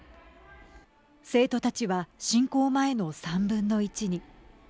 生徒たちは侵攻前の３分の１に。